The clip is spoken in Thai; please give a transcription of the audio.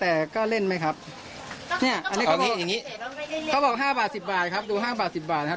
แต่ก็เล่นไหมครับเนี่ยอันนี้เขาบอก๕บาท๑๐บาทครับดู๕บาท๑๐บาทครับ